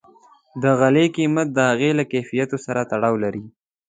د غالۍ قیمت د هغې له کیفیت سره تړاو لري.